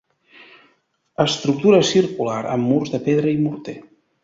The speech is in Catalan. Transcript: Estructura circular amb murs de pedra i morter.